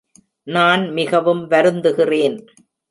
நான் மிகவும் வருந்துகிறேன்.